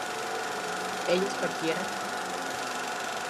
¿ellas partieran?